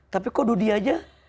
tapi kok dunianya